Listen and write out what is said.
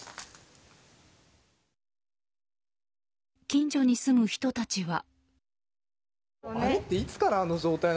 近所に住む人たちは。